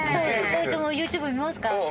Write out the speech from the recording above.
２人ともＹｏｕＴｕｂｅ見ますか？